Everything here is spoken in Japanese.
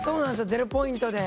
ゼロポイントで。